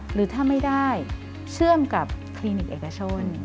หรือถ้าไม่ได้เชื่อมกับคลินิกเอกชน